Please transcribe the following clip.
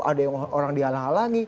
ada yang orang dihalang halangi